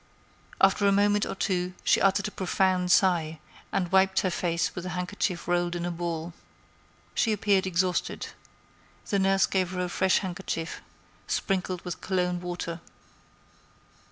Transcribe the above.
After a moment or two she uttered a profound sigh and wiped her face with the handkerchief rolled in a ball. She appeared exhausted. The nurse gave her a fresh handkerchief, sprinkled with cologne water.